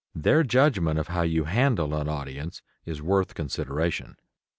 Their judgment of how you handle an audience is worth consideration.